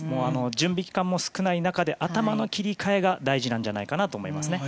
準備期間も少ない中で頭の切り替えが大事なんじゃないかなと思いますね。